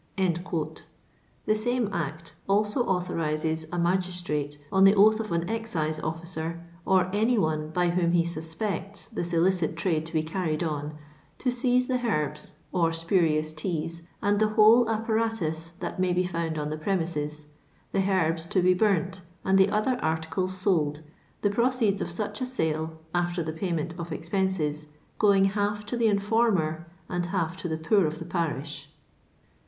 The same act also authorizes a magistrate, on the oath of an excise officer, or any one, by whom he suspects this illicit trade to be carried on, to seize the herbs, or spurious teas, and the whole appa ratus that may be found on the premises, the herbs to be burnt and the other articles sold, the proceeds of such a sale, after the payment of ex penses, going half to the informer and half to the poor oif the parish.